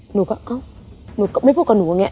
หนูก็เอ้าหนูก็ไม่พูดกับหนูอย่างนี้